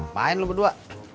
main lo berdua